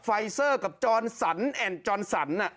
ไฟเซอร์กับจรสันแอ่นจอนสัน